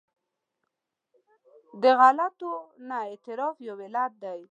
د غلطیو نه اعتراف یو علت دی.